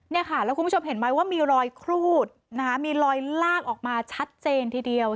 เนี่ยค่ะแล้วคุณผู้ชมเห็นไหมว่ามีรอยครูดนะคะมีรอยลากออกมาชัดเจนทีเดียว